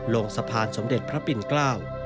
ลงสะพานสมเด็จพระปิ่นเกล้า